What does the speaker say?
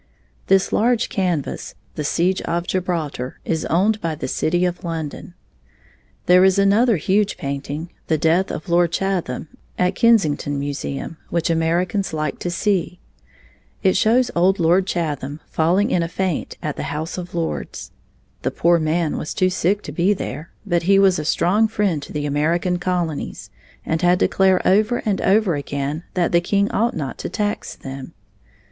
This large canvas, "The Siege of Gibraltar", is owned by the city of London. There is another huge painting, "The Death of Lord Chatham", at Kensington Museum, which Americans like to see. It shows old Lord Chatham falling in a faint at the House of Lords. The poor man was too sick to be there, but he was a strong friend to the American Colonies and had declared over and over again that the king ought not to tax them.